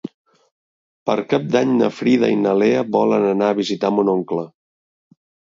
Per Cap d'Any na Frida i na Lea volen anar a visitar mon oncle.